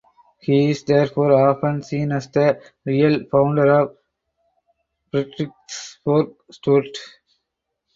He is therefore often seen as the real founder of Frederiksborg Stud.